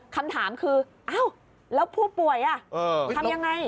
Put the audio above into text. คำถามคืออ้าวแล้วผู้ป่วยทำยังไง